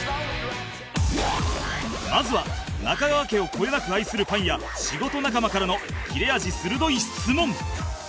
まずは中川家をこよなく愛するファンや仕事仲間からの切れ味鋭い質問